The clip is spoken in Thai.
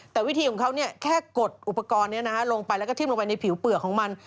แต่วิธีของเขาแค่กดอุปกรณ์นี้ลงไปแล้วก็ทิ้มลงไปในผิวเปลือกของมัน